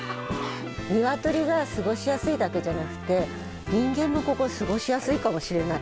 鶏が過ごしやすいだけじゃなくて人間もここ過ごしやすいかもしれない。